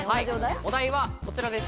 お題はこちらです。